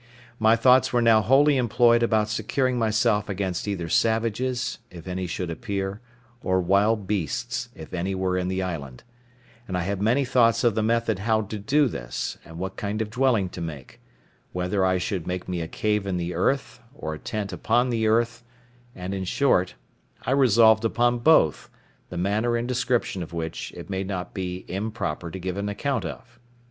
My thoughts were now wholly employed about securing myself against either savages, if any should appear, or wild beasts, if any were in the island; and I had many thoughts of the method how to do this, and what kind of dwelling to make—whether I should make me a cave in the earth, or a tent upon the earth; and, in short, I resolved upon both; the manner and description of which, it may not be improper to give an account of.